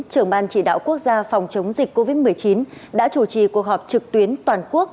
trưởng ban chỉ đạo quốc gia phòng chống dịch covid một mươi chín đã chủ trì cuộc họp trực tuyến toàn quốc